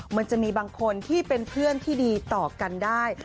มันจะมีบางคนที่เป็นเพื่อนที่ดีต่อกันได้